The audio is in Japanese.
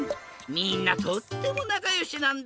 みんなとってもなかよしなんだ。